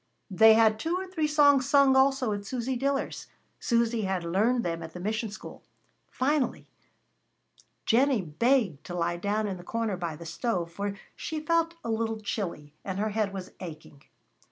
They had two or three songs sung also at Susy Diller's. Susy had learned them at the mission school. Finally Jennie begged to lie down in the corner by the stove, for she felt a little chilly, and her head was aching.